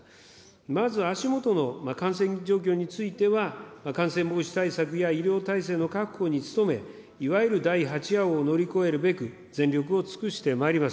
まず、足下の感染状況については、感染防止対策や医療体制の確保に努め、いわゆる第８波を乗り越えるべく、全力を尽くしてまいります。